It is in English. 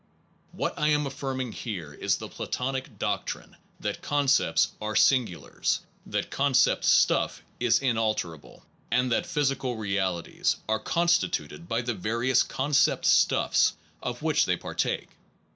What I am affirming here is the platonic doctrine that concepts are singulars, that con cept stuff is inalterable, and that physical realities are constituted by the various con cept stuff s of which they partake.